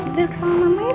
duduk sama mama ya